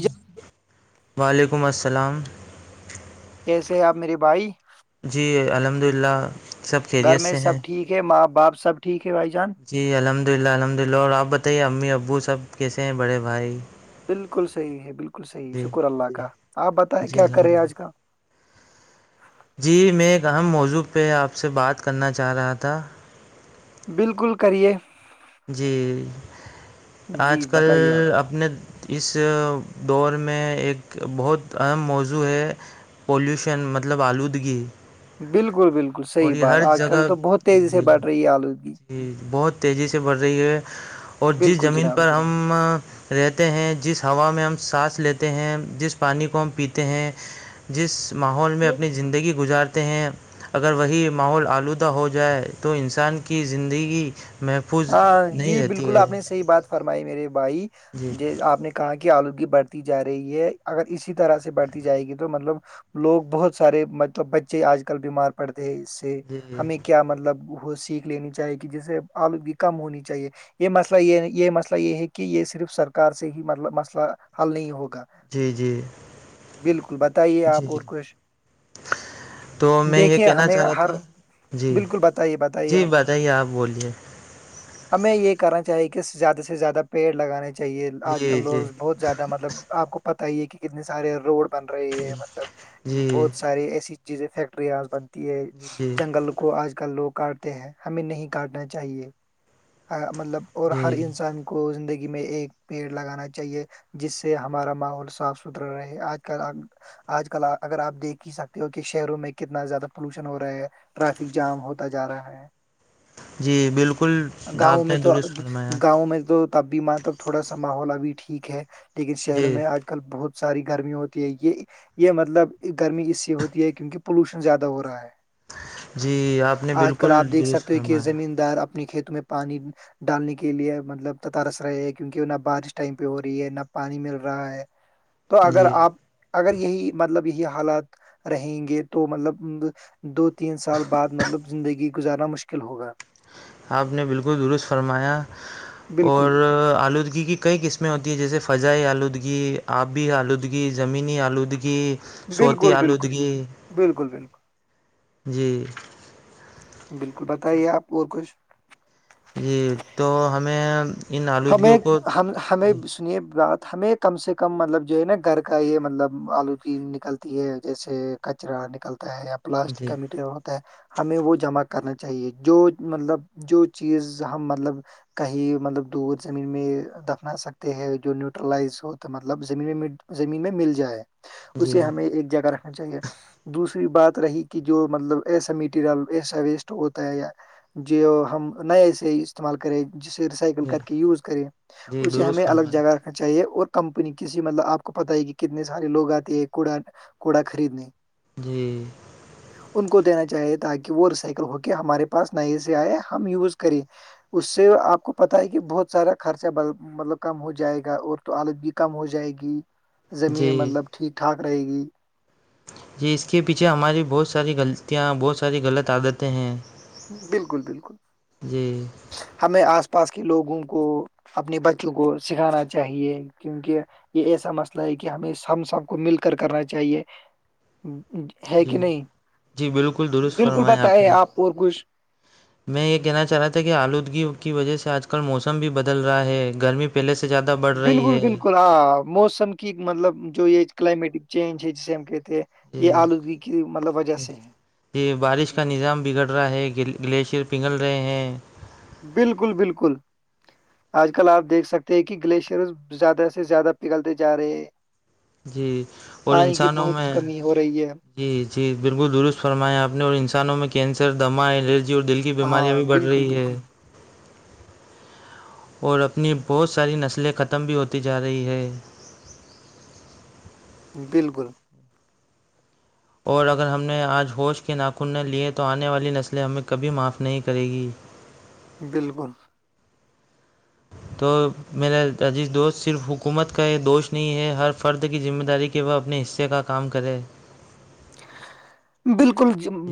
جان وعلیکم السلام کیسے ہے آپ میرے بھائی جی الحمد للہ سب گھر خیریت میں سے سب ہیں ٹھیک ہے ماں باپ سب ٹھیک ہے بھائی جان جی الحمد للہ الحمد للہ اور آپ بتائیے امی ابو سب کیسے ہیں بڑے بھائی بالکل صحیح ہے بالکل صحیح جی شکر اللہ جی کا آپ بتائیں جی کیا الحمد کرے آج للہ کا جی میں ایک اہم موضوع پہ آپ سے بات کرنا چاہ رہا تھا بالکل کریے جی جی آج کل بتائیے آپ اپنے اس دور میں ایک بہت اہم موضوع ہے پولوشن مطلب آلودگی بالکل بالکل اور صحیح یہ بات ہر آج کل جگہ تو بہت تیزی سے جی بڑھ رہی ہے آلودگی بہت تیزی سے بڑھ رہی ہے اور جس بالکل زمین جناب پر ہم رہتے ہیں جس ہوا میں ہم سانس لیتے ہیں جس پانی کو ہم پیتے ہیں جس ماحول میں کوئی اپنی زندگی گزار ہیں اگر وہی ماحول آلودہ ہو جائے تو انسان کی زندگی محفوظ ہاں نہیں جی رہتی بالکل ہے آپ نے صحیح بات فرمائی میرے بھائی جی ج آپ نے کہاں کی آلودگی بڑھتی جا رہی ہے اگر اسی طرح سے بڑھتی جائے گی تو مطلب لوگ بہت سارے مطلب بچے آج کل بیمار پڑتے ہیں اس ہمیں جی کیا مطلب وہ سیکھ لینی چاہیے کہ جیسے آلودگی کم ہونی چاہیے یہ مسئلہ یہ یہ مسئلہ یہ ہے کہ یہ صرف سرکار سے ہی مسئلہ حل نہیں ہوگا جی بالکل بتائیے جی آپ جی اور کچھ تو میں یہ دیکھیے کہنا ہمیں چاہ رہا ہر تھا جی بالکل بتائیے بتائیے جی آپ بات بتائیے آپ بولیے ہمیں یہ کرنا چاہیے کہ زیادہ سے زیادہ پیڑ لگانے چاہیے آج جی کل جی لوگ بہت زیادہ مطلب آپ کو پتا ہی ہے کہ کتنے سارے روڈ بن رہی ہے مطلب جی جی بہت ساریے ایسی چیزیں فیکٹریا بنتی ہے جی جنگل کو آج کل لوگ کاٹتے ہیں ہمیں نہیں کاٹنا چاہیے مطلب اور ہر جی انسان کو زندگی میں ایک پیڑ لگانا چاہیے جس سے ہمارا ماحول صاف ستھرا رہے آج کل آج کل اگر آپ دیکھ ہی سکتے ہو کہ شہروں میں کتنا زیادہ پولوشن ہو رہا ہے ٹریافک جام ہوتا جا رہا ہے جی بالکل گاؤں آپ میں نے تو درست فرمایا گاؤں میں تو تب بھی ماں تب تھوڑا سا ماحول ابھی ٹھیک ہے لیکن شہر جی میں آج کل بہت ساری گرمی ہوتی ہے یہ یہ مطلب گرمی اس سے ہوتی ہے کیونکہ پولوشن زیادہ ہو رہا ہے جی آپ نے آج کل بالکل آپ دیکھ درست سکتے ہو کہ فرمایا زمین دار اپنے کھیتوں میں پانی ڈالنے کے لیے مطلب ت تارس رہے ہیں کیونکہ نہ بارش ٹائم پہ ہو رہی ہے نہ پانی مل رہا ہے [unintelligible] تو اگر جی آپ اگر یہی مطلب یہی حالات رہیں گے تو مطلب دو تین سال بعد مطلب زندگی گزارنا مشکل ہوگا آپ نے بالکل درست فرمایا اور بالکل آلودگی کی کئی قسمیں ہوتی ہیں جیسے فضائی آلودگی آبی آلودگی زمینی آلودگی صوتی بالکل بالکل آلودگی بالکل بالکل جی بالکل بتائیے آپ اور کچھ جی تو ہمیں ان ہمیں آلودگیوں کو ہم ہمیں جی سنیے بات ہمیں کم سے کم مطلب جو ہے نا گھر کا یہ مطلب آلو پین نکلتی ہے جیسے کچرا نکلتا ہے یا پلاسٹک جی کا میٹیریل ہوتا ہے ہمیں وہ جمع کرنا چاہیے جو مطلب جو چیز ہم مطلب کہیں مطلب دودھ زمین میں دفنا سکتے ہیں جو نیوٹرلائز ہو تو مطلب زمین میں زمین میں مل جائے اسے جی ہمیں ایک جگہ چاہیے دوسری بات رہی کہ جو مطلب ایسا میٹیریل ایسا ویسٹ ہوتا ہے یا جی ہم نئے سے استعمال کرے جسے ریسائکل جی کر کے یوز کرے جی اسے درست ہمیں الگ فرمائیں جگہ چاہیے اور کمپنی کسی مطلب آپ کو پتہ ہے کہ کتنے سارے لوگ آتے ہیں کوڑا کوڑا خریدنے جی ان کو دینا چاہیے تاکہ وہ رسائکل ہو کے ہمارے پاس نئے سے آئے ہم یوز کریں اس سے آپ کو پتا ہے کہ کہ بہت سارا خرچہ مطلب کم ہو جائے گا اور تو حالت بھی کم ہو جائے گی زمین جی مطلب ٹھیک ٹھاک رہے گی جی اس کے پیچھے ہماری بہت ساری غلطیاں بہت ساری غلط عادتیں ہیں بالکل بالکل [unintelligible] ہمیں آس پاس کے لوگوں کو اپنے بچوں کو سکھانا چاہیے کیونکہ یہ ایسا مسئلہ ہے کہ ہمیں ہم سب کو مل کر کرنا چاہیے ہے کہ جی نہیں جی بالکل درست بالکل فرمایا پت ہے نے آپ اور کچھ میں یہ کہنا چاہ رہا تھا کہ آلودگی کی وجہ سے آج کل موسم بھی بدل رہا ہے گرمی پہلے سے زیادہ بڑھ رہی بالکل ہے بالکل ہاں موسم کی مطلب جو یہ کلائمیٹک چینج ہے جسے ہم کہتے یہ آلودگی کی مطلب وجہ سے ہے یہ بارش کا نظام بگڑ رہا ہے گلیشیئر پنگھل رہے ہیں بالکل بالکل آج کل آپ دیکھ سکتے ہیں کہ گلیشیرز زیادہ سے زیادہ پگلتے جا رہے ہیں جی اور پانی کی انسانوں بہت میں کمی ہو رہی ہے جی جی بالکل درست فرمایا آپ نے اور انسانوں میں کینسر دما الرجی اور دل کی کی بیماریاں ہاں بھی بڑھ بالکل رہی ہے بالکل اور اپنی بہت ساری نسلیں ختم بھی ہوتی جا رہی ہے بالکل اور اگر ہم نے آج ہوش کے ناخن نے لیے تو آنے والی نسلیں ہمیں کبھی معاف نہیں کرے گی بالکل تو میرا عزیز دوست صرف حکومت کا یہ دوش نہیں ہے ہر فرد کی ذمہ داری کی کہ وہ اپنے حصے کا کام کرے بالکل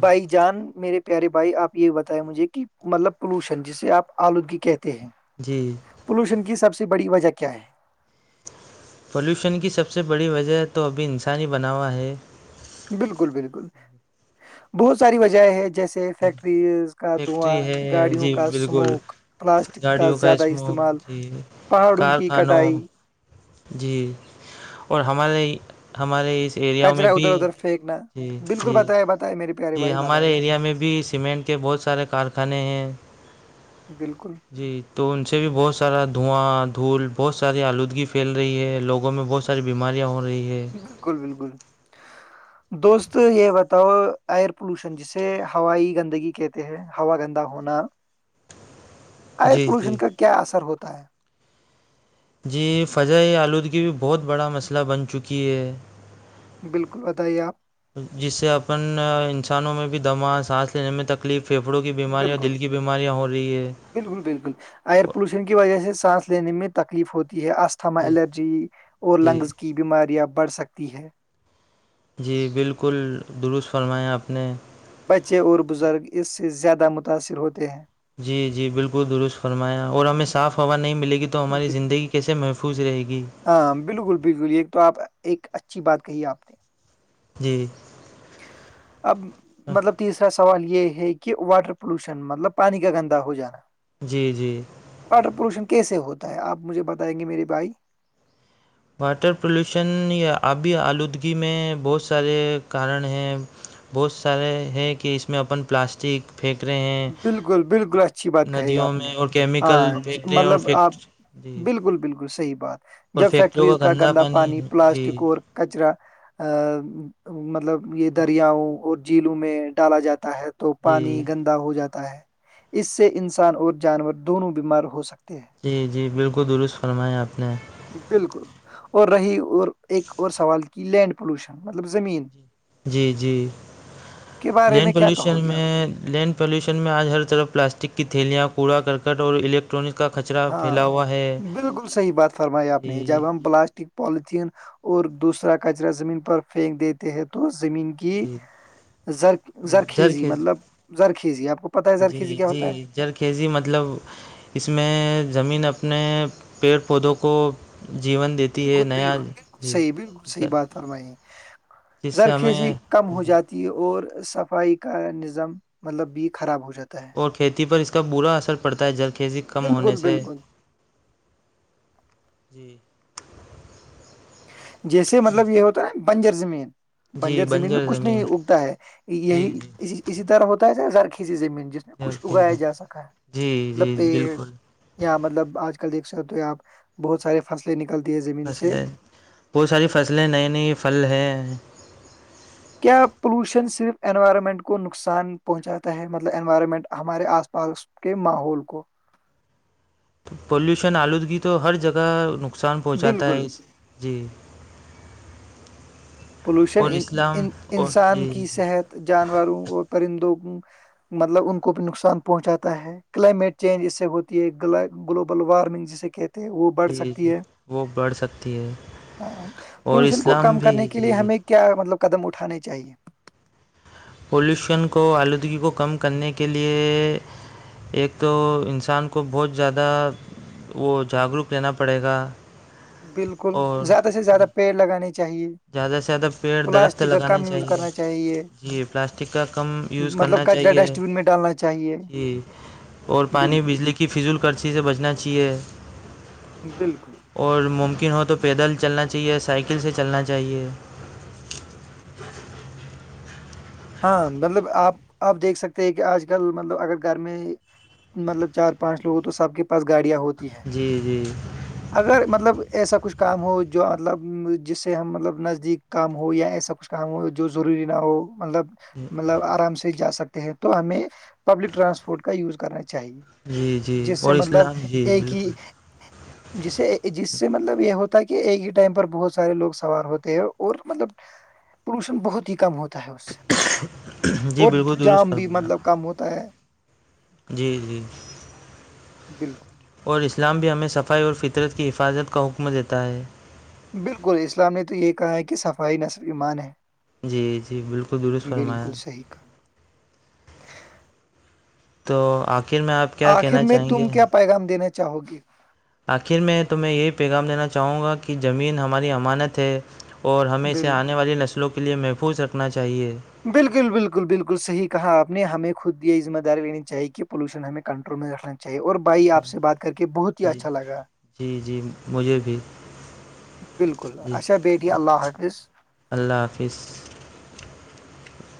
بائک جان میرے پیارے بھائی آپ یہ بتائے مجھے کہ مطلب پولوشن جسے آپ آلودگی کہتے ہیں جی پولوشن کی سب سے بڑی وجہ کیا ہے پلیوشن کی سب سے بڑی وجہ تو ابھی انسانی بنا ہوا ہے بالکل بالکل بہت ساری وجہ ہے جیسے فییکٹرز کا دعاں فیکٹری ہے گاڑیوں جی کا بالکل سموک پلاسٹک کا گاڑیوں زیادہ اسموک استعمال جی پہاڑوں کی کارخانوں کٹائی جی اور ہمارے ہمارے اس ایریا میں کچرا بھی جی جی میرری جی ہمارے ایریا میں بھی سیمنٹ کے بہت سارے کارخانے ہیں بالکل جی تو ان سے بھی بہت سارا دھواں دھول بہت ساری آلودگی پھیل رہی ہے لوگوں میں بہت ساری بیماریاں ہو رہی ہے بالکل بالکل دوست یہ بتاؤ ایئر پولوشن جی جسے ہوائی گندگی کہتے ہیں ہوا گندا ہونا ایئر جی پولوشن جی کا کیا اثر ہوتا ہے جی فضا آلودگی بھی بہت بڑا مسئلہ بن چکی ہے بالکل بتائیے آپ جس سے اپن انسانوں میں بھی دما سانس لینے میں تک تکلیف پھیھڑوں کی بیماریاں بالکل دل کی بیماریاں ہو رہی ہے بالکل بالکل ایئر پولوشن کی وجہ سے سانس لینے میں تکلیف ہوتی ہے تھما جی الرجی اور جی لنگز کی بیماریاں بڑھ سکتی ہے جی بالکل درست فرمایا آپ نے بچے اور بزرگ اس سے زیادہ متاثر ہوتے ہیں جی جی بالکل درست فرمایا اور ہمیں صاف ہوا نہیں ملے گی تو ہماری بال- زندگی کیسے محفوظ رہے گی ہاں بالکل بالکل ایک تو آپ ایک اچھی بات کہی آپ نے جی اب مطلب تیسرا سوال یہ ہے کہ واٹر پولوشن مطلب پانی کا گندا ہو جانا جی جی واٹر پولوشن کیسے ہوتا ہے آپ مجھے بتائیں گے میرے بھائی واٹر پلیوشن یا آبی آلودگی میں بہت سارے کارن ہیں بہت سارے ہیں کہ اس میں اپن پلاسٹک پھینک رہے ہیں بالکل بالکل اچھی بات کہی ندیوں آپ نے میں اور ہاں کیمیکل پھینک رہے ہیں اور مطلب آپ فیکٹ جی بالکل بالکل صحیح بات جب فیکٹریز کا گندا پانی پلاسٹک اور کچرا ا مطلب یہ دریاؤں اور جھیلوں میں ڈالا جاتا ہے تو پانی جی گندا ہو جاتا ہے اس سے انسان اور جانور دونوں بیمار ہو سکتے ہیں جی جی بالکل درست فرمایا آپ نے بالکل اور رہی اور ایک اور سوال کی لینڈ پولوشن مطلب زمین جی جی کے بارے میں لینڈ کیا کہو پلیوشن گے آپ میں لینڈ پاللوشن میں آج ہر طرف پلاسٹک کی تھیلیاں کوڑا کرکٹ اور الیکٹ ٹونک کا کچرا پھیلا ہاں ہوا ہے بالکل صحیح بات فرمائی آپ نے جی جب ہم پلاسٹ پالتھین اور دوسرا کچرا زمین پر پھینک دیتے ہیں تو زمین کی جی زر جھر زرخیزی کھیت مطلب زرخیزی آپ کو پتہ ہے جی زرخیزی کیا جی ہوتا ہے جلخیزی مطلب اس میں زمین اپنے پیڑ پودوں کو جیون دیتی ہے بالکل بالکل نیا بالکل جی سحی بالکل صحیح بات فر میںائی جس سے زرخیزی ہمیں کم ہو جاتی ت اور صفائی کا نظام مطلب بھی خراب ہو جاتا ہے اور کھیتی پر اس کا برا اثر پڑتا ہے جلخھیزی کم بالکل ہونے سے بالکل جی جیسے مطلب یہ ہوتا ہے بنجر زمین بنجر زمین میں کچھ نہیں اگتا ہے جی یہی اسی طرح ہوتا ہے س زرخیسی زمین کچھ جی اگایا جا سکا ہے جی مطلب جی پیڑ بالکل اں مطلب آج کل دیکھ سکتے تو آپ بہت سارے فصلیں نکلتی ہے زمین سے فصلیں بہت ساری فصلیں نئے نئے پھل ہیں کیا پولوشن صرف انوائرمنٹ کو نقصان پہنچاتا ہے مطلب انوائرمنٹ ہمارے آس پاس کے ماحول کو پلیوشن آلودگی تو ہر جگہ نقصان پہنچاتا ہے بالکل اس جی پولوشن اور اسلام اور انسان کی جی صحت جانوروں اور پرندوں مطلب ان کو بھی نقصان پہنچاتا ہے کلائمیٹ چینج اس سے ہوتی ہے گلوبل وارمنگ جسے کہتے ہیں وہ بڑھ چیز سکتی ہے وہ بڑھ سکتی ہے ہاں اور پولوشن کو اسلام کم بھی کرنے کے لیے جی ہمیں کیا مطلب قدم اٹھانے چاہیے پولوشن کو آلودگی کو کم کرنے کے لیے ایک تو انسان کو بہت زیادہ وہ جاگروک لینا پڑے گا بالکل اور زیادہ سے زیادہ پیڑ لگانے چاہیے زیادہ سے زیادہ پیڑ درخت پلاسٹک کا لگانے کم یوز چاہیے کرنا جی پلاسٹک کا کم یوز مطلب کرنا کچرا چاہیے ڈسٹ بین میں ڈالنا چاہیے جی اور پانی بالکل بجلی کی فضول کررچی سے بچنا چاہیے بالکل اور ممکن ہو تو پیدل چلنا چاہیے سائیکل سے چلنا چاہیے ہاں مطلب آپ آپ دیکھ سکتے ہیں کہ آج کل مطلب اگر گھر میں مطلب چار پانچ لوگ تو سب کے پس گاڑیاں ہوتی ہیں جی جی اگر مطلب ایسا کچھ کام ہو جو مطلب جس سے ہم مطلب نزدیک کام ہو یا ایسا کچھ کام ہو جو ضروری نہ ہو مطلب ج مطلب آرام سے جا سکتے ہیں تو ہمیں پبلک ٹرانسپورٹ کا یوز کرنا چاہیے جی جی جس سے اور مطلب اسلام جی ایک ہی بالکل جسے جس سے مطلب یہ ہوتا ہے کہ ایک ہی ٹائم پر بہت سارے لوگ سوار ہوتے ہیں اور مطلب پولوشن بہت ہی کم ہوتا ہے اس سے جی اور بالکل درست جام بھی فرمایا مطلب کم ہوتا ہے جی جی بالکل اور اسلام بھی ہمیں صفائی اور فطرت کی حفاظت کا حکم دیتا ہے بالکل اسلام نے تو یہ کہا کہ صفائی نصل ایمان ہے جی جی بالکل درست بالکل فرمایا صحیح تو آخر میں آپ کیا آخر کہنا میں چاہیں تم گے کیا پیغام دینا چاہو گی آخر میں تو میں یہی پیغام دینا چاہوں گا کہ زمین ہماری امانت ہے اور ہمیں اسے بالکل آنے والی نسلوں کے لیے محفوظ رکھنا چاہیے بالکل بالکل بالکل صحی کہا آپ نے ہمیں خود یہ ذمہ داری لینی چاہی کہ پولوشن ہمیں کنٹرول میں رکھنا چاہیے اور بھائی آپ سے بات کر کے بہت ہی جی اچھا لگا جی جی مجھے بھی بالکل جی اچھا بیٹھی اللہ حافظ اللہ حافظ